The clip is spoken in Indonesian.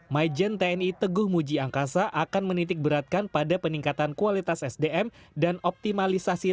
my gen tni teguh mujiangkasa akan menitik beratkan pada peningkatan kualitas sdm dan optimalisasi